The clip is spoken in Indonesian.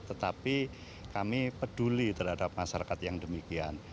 tetapi kami peduli terhadap masyarakat yang demikian